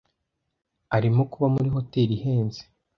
arimo kuba muri hoteli ihenze